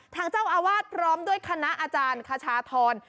ทางเจ้าอาวาสพร้อมด้วยคณะอาจารย์คชาธร